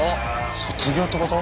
卒業ってこと？